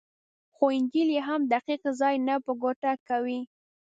خو انجیل یې هم دقیق ځای نه په ګوته کوي.